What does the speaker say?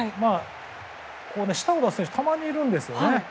舌を出す選手たまにいるんですよね。